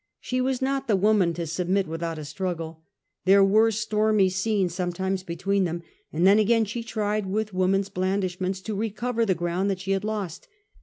She was not the woman to submit without a struggle. There were stormy scenes sometimes between them, and then again she tried with a woman^s blandish ments to recover the ground that she had lost.